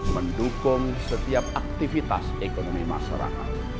mendukung setiap aktivitas ekonomi masyarakat